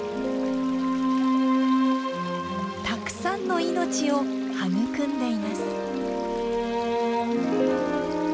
たくさんの命を育んでいます。